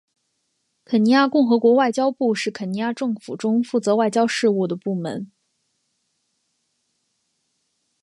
肯尼亚共和国外交部是肯尼亚政府中负责外交事务的部门。